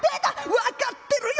「分かってるよ。